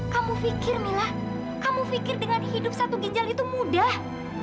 kamu pikir mila kamu pikir dengan hidup satu ginjal itu mudah